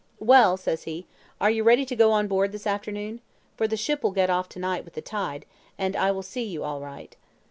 "'Well,' says he, 'are you ready to go on board this afternoon? for the ship will get off to night with the tide, and I will see you all right.'